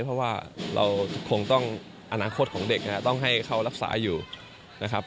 เพราะว่าเราคงต้องอนาคตของเด็กนะครับต้องให้เขารักษาอยู่นะครับ